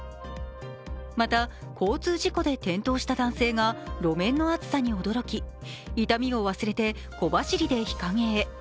また、交通事故で転倒した男性が路面の熱さに驚き痛みを忘れて小走りで日陰へ。